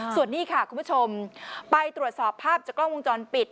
ส่วนนี้ค่ะคุณผู้ชมไปตรวจสอบภาพจากกล้องวงจรปิด